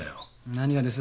何がです？